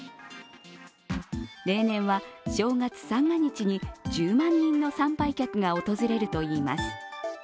例年は、正月三が日に１０万人の参拝客が訪れるといいます。